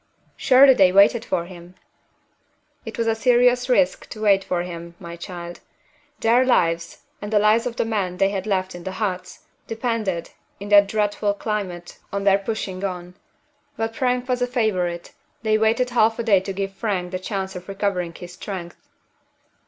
"Surely they waited for him?" "It was a serious risk to wait for him, my child. Their lives (and the lives of the men they had left in the huts) depended, in that dreadful climate, on their pushing on. But Frank was a favorite. They waited half a day to give Frank the chance of recovering his strength."